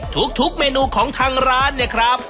ทุกเมนูของทางร้านเนี่ยครับ